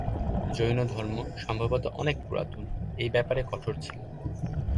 জৈন ধর্ম, সম্ভবত অনেক পুরাতন, এই ব্যাপারে কঠোর ছিলো।